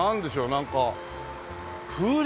なんか風鈴？